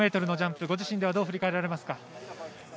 １３５ｍのジャンプ、ご自身ではどう振り返られますか？